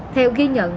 theo ghi nhận